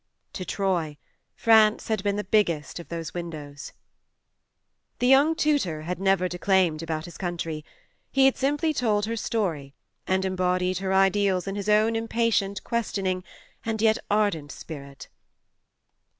..." To Troy, France had been the biggest of those windows. The young tutor had never declaimed about his country ; he had simply told her story and embodied her ideals in his own impatient, questioning and yet ardent spirit.